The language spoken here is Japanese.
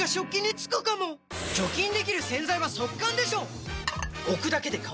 除菌できる洗剤は速乾でしょ！